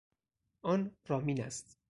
آن رامین است.